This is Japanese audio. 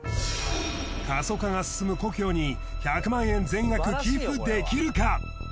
過疎化が進む故郷に１００万円全額寄付できるか？